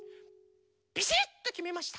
ビシッときめました。